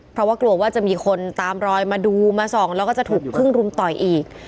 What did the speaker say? เพราะว่ากลัวว่าจะมีคนตามรอยมาดูมาส่องแล้วก็จะถูกพึ่งรุมต่อยอีก